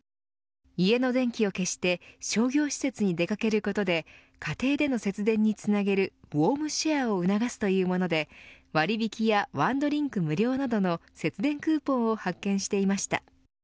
家の電気を消して商業施設に出掛けることで家庭での節電につなげるウォームシェアを促すというもので割引やワンドリンク無料などの節電クーポンを発券していました。